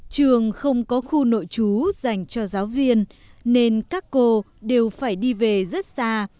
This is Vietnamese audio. trường không có khu nội trú dành cho giáo viên nên các cô đều phải đi về rất xa